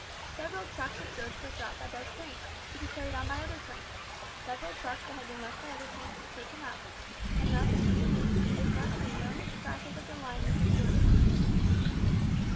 Several trucks of goods were dropped by both trains, to be carried on by other trains, and several trucks that had been left by other trains, were taken up, and thus in a few minutes a part of the enormous traffic of the line was assorted.